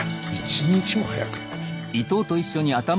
一日も早く。